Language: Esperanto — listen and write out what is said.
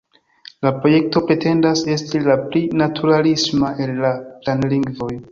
La projekto pretendas esti la pli naturalisma el la planlingvoj.